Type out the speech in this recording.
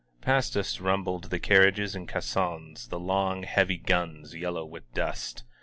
Fast us rumbled the carriages and caissons, the long, heavy guns yellow with dust.